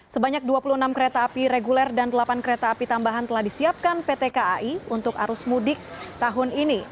sebanyak dua puluh enam kereta api reguler dan delapan kereta api tambahan telah disiapkan pt kai untuk arus mudik tahun ini